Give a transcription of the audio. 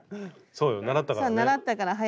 そうよ習ったからね。